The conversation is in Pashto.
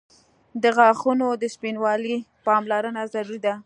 • د غاښونو د سپینوالي پاملرنه ضروري ده.